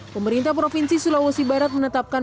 pemerintah provinsi sulawesi barat menetapkan